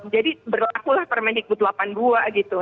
jadi berlakulah permendikbud delapan puluh dua gitu